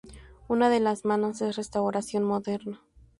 Una de las manos es restauración moderna.